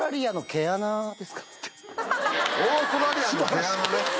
オーストラリアの毛穴ね。